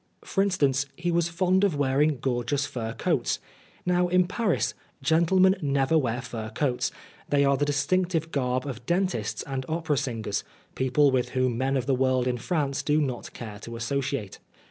For instance, he was fond of wearing gor geous fur coats. Now, in Paris, gentlemen never wear fur coats ; they are the distinctive garb of dentists and opera singers, people with whom men of the world in France do not care to associate.